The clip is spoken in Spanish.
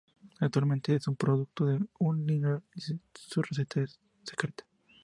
Actualmente es un producto de Unilever y su receta es secreta.